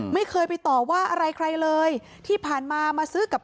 ไม่เคยไปต่อว่าอะไรใครเลยที่ผ่านมามาซื้อกับ